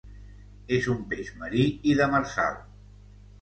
És un peix marí i demersal.